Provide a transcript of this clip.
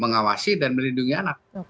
mengawasi dan melindungi anak